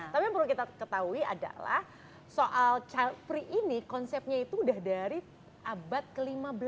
tapi yang perlu kita ketahui adalah soal chil pri ini konsepnya itu udah dari abad ke lima belas